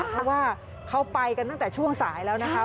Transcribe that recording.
เพราะว่าเขาไปกันตั้งแต่ช่วงสายแล้วนะคะ